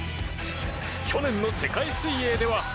去年の世界水泳では。